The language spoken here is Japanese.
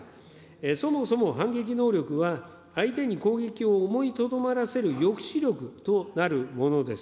そもそも反撃能力は、相手に攻撃を思いとどまらせる抑止力となるものです。